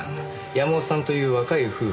山本さんという若い夫婦。